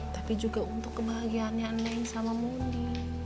tapi juga untuk kebahagiaannya neng sama mundi